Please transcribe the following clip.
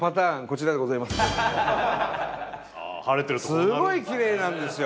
すごいきれいなんですよ。